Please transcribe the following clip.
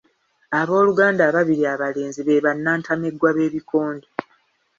Abooluganda ababiri abalenzi be bannantameggwa b'ebikonde.